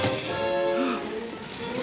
あっ！